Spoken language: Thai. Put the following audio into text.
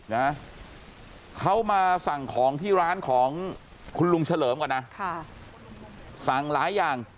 นะเขามาสั่งของที่ร้านของคุณลุงเฉลิมก่อนนะค่ะสั่งหลายอย่าง